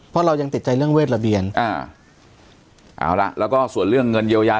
เพราะเรายังติดใจเรื่องเวทระเบียนอ่าเอาล่ะแล้วก็ส่วนเรื่องเงินเยียวยา